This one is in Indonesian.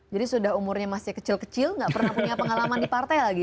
jadi sudah umurnya masih kecil kecil tidak pernah punya pengalaman di partai lagi